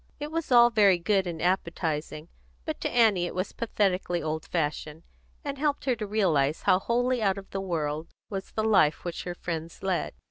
It was all very good and appetising; but to Annie it was pathetically old fashioned, and helped her to realise how wholly out of the world was the life which her friends led.